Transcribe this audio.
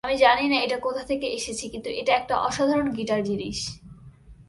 আমি জানি না এটা কোথা থেকে এসেছে কিন্তু এটা একটা অসাধারণ গিটার জিনিস।